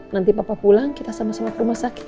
nanti papa pulang kita sama sama ke rumah sakit